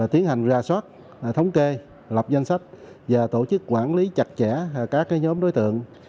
tiến hành ra soát thống kê lập danh sách và tổ chức quản lý chặt chẽ các nhóm đối tượng